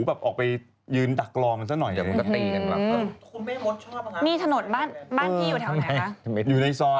บ้านพี่อยู่แถวไหนครับ